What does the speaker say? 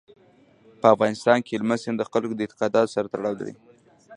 په افغانستان کې هلمند سیند د خلکو د اعتقاداتو سره تړاو لري.